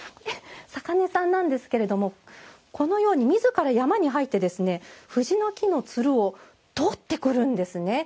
坂根さんなんですけれどもこのように、みずから山に入って藤の木のつるをとってくるんですね。